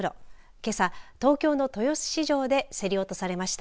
けさ東京の豊洲市場で競り落とされました。